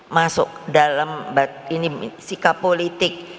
masuk dalam sikap politik